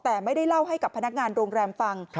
แต่ไม่ได้เล่าให้กับพนักงานโรงแรมฟัง